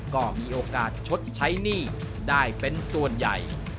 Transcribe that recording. ก็มีโอกาสชดใช้หนี้ได้เป็นส่วนใหญ่